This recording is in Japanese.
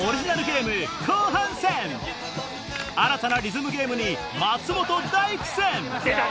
新たなリズムゲームに松本大苦戦！